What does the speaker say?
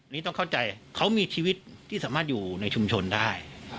นี่ต้องเข้าใจเขามีชีวิตที่สามารถอยู่ในชุมชนได้